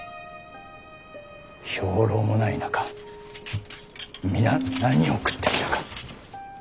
兵糧もない中皆何を食ってきたか。